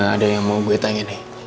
ada yang mau gue tanya nih